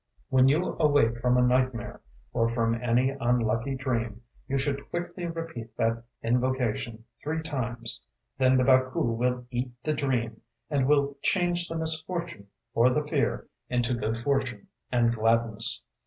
When you awake from a nightmare, or from any unlucky dream, you should quickly repeat that invocation three times; then the Baku will eat the dream, and will change the misfortune or the fear into good fortune and gladness.